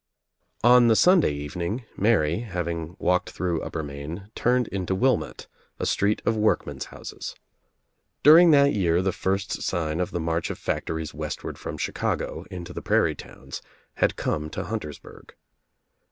On the Sunday evening Mary, having walked through Upper Main, turned into Wilmott, a street of workmens' houses. During that year the first sign of the march of factories westward from Chicago into the prairie towns had come to Huntersburg.